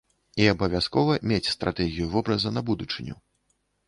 І абавязкова мець стратэгію вобраза на будучыню.